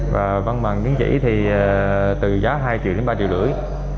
và văn bàn biến chỉ thì từ giá hai triệu đến ba triệu lưỡi